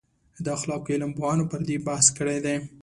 د اخلاقو علم پوهانو پر دې بحث کړی دی.